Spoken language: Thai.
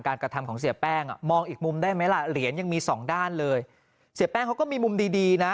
กระทำของเสียแป้งอ่ะมองอีกมุมได้ไหมล่ะเหรียญยังมีสองด้านเลยเสียแป้งเขาก็มีมุมดีดีนะ